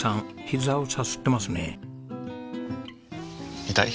ひざをさすってますね。